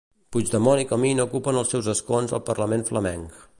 Puigdemont i Comín ocupen els seus escons al Parlament flamenc.